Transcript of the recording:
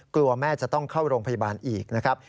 กลัวแม่จะต้องเข้าโรงพยาบาลอีกนะครับ